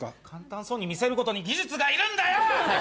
簡単そうに見せることに技術がいるんだよ！